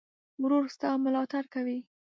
ورور ستا ملاتړ کوي.